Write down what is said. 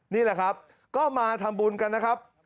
นี่แหละครับก็มาทำบุญกันนะครับ